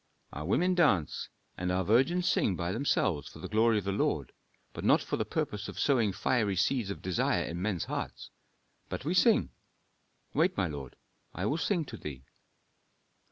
"Our women dance, and our virgins sing by themselves for the glory of the Lord, but not for the purpose of sowing fiery seeds of desire in men's hearts. But we sing. Wait, my lord, I will sing to thee."